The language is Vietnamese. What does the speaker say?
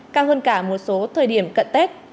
cao hơn cả một số thời điểm cận tết